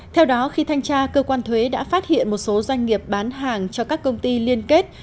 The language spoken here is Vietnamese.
theo đó khi thanh tra cơ quan thuế đã phát hiện một số doanh nghiệp bán hàng cho các công ty liên kết